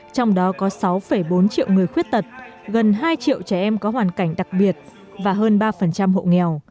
trong đó có sáu bốn triệu người khuyết tật gần hai triệu trẻ em có hoàn cảnh đặc biệt và hơn ba hộ nghèo